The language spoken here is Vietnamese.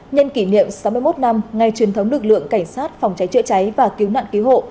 nhân kỷ niệm sáu mươi một năm ngày truyền thống lực lượng cảnh sát phòng cháy chữa cháy và cứu nạn cứu hộ